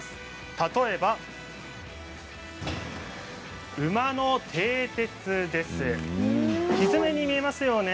例えば馬のてい鉄ですね。